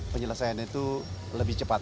penyelesaian itu lebih cepat